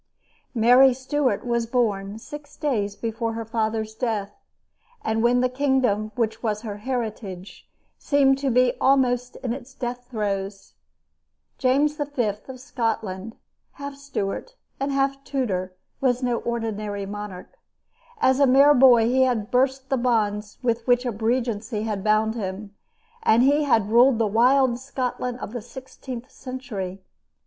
Mary Stuart was born six days before her father's death, and when the kingdom which was her heritage seemed to be almost in its death throes. James V. of Scotland, half Stuart and half Tudor, was no ordinary monarch. As a mere boy he had burst the bonds with which a regency had bound him, and he had ruled the wild Scotland of the sixteenth century.